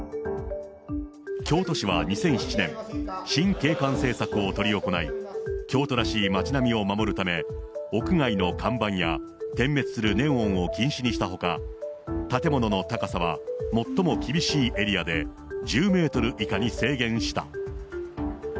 京都市は２００７年、新景観政策を執り行い、京都らしい街並みを守るため、屋外の看板や点滅するネオンを禁止にしたほか、建物の高さは最も厳しいエリアで１０メートル以下に制限した。